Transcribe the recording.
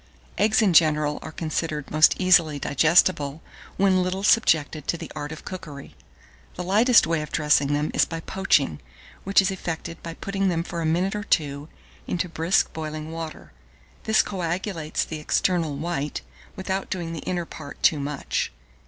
Eggs in general are considered most easily digestible when little subjected to the art of cookery. The lightest way of dressing them is by poaching, which is effected by putting them for a minute or two into brisk boiling water: this coagulates the external white, without doing the inner part too much.